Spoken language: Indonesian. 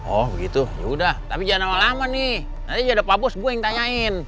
oh gitu yaudah tapi jangan lama lama nih nanti jadepa bos gue yang tanyain